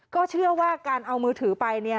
ก็เชื่อว่าการเอามือถือไป